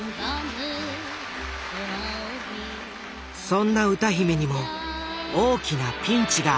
そんな歌姫にも大きなピンチがあった。